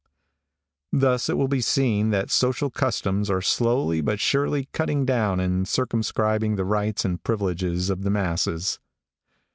Thus it will be seen that social customs are slowly but surely cutting down and circumscribing the rights and privileges of the masses.